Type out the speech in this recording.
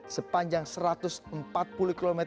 sepanjang satu ratus empat puluh km